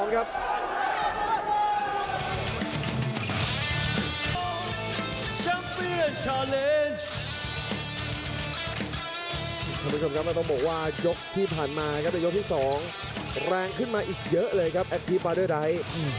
ครับทุกคนครับแล้วต้องบอกว่ายกที่ผ่านมาครับแต่ยกที่สองแรงขึ้นมาอีกเยอะเลยครับแอคทีปลาด้วยใด